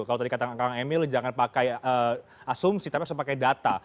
kalau tadi kata kang emil jangan pakai asumsi tapi harus pakai data